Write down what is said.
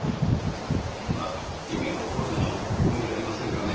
まあ君が怒るのも無理ありませんがね。